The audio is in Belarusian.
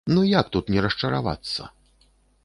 Ну як тут не расчаравацца?